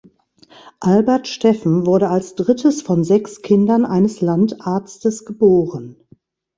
Albert Steffen wurde als drittes von sechs Kindern eines Landarztes geboren.